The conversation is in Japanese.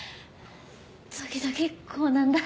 時々こうなんだ。